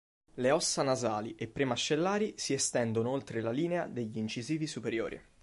Le ossa nasali e pre-mascellari si estendono oltre la linea degli incisivi superiori.